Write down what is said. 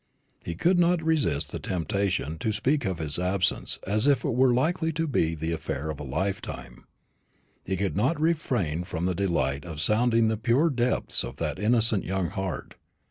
He could not resist the temptation to speak of his absence as if it were likely to be the affair of a lifetime. He could not refrain from the delight of sounding the pure depths of that innocent young heart.